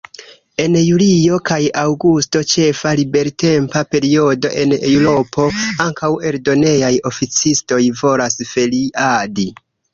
En julio kaj aŭgusto, ĉefa libertempa periodo en Eŭropo, ankaŭ eldonejaj oficistoj volas feriadi.